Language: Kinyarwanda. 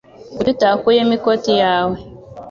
Kuki utakuyemo ikoti yawe